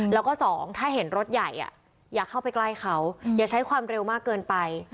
แล้วก็สองถ้าเห็นรถใหญ่อย่าเข้าไปใกล้เขาอย่าใช้ความเร็วมากเกินไป